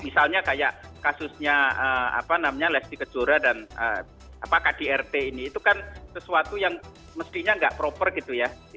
misalnya kayak kasusnya lesti kejora dan kdrt ini itu kan sesuatu yang mestinya nggak proper gitu ya